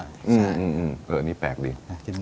แกรนี่แปลกดี